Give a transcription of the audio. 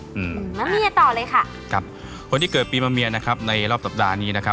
อืมแล้วเมียต่อเลยค่ะครับคนที่เกิดปีมะเมียนะครับในรอบสัปดาห์นี้นะครับ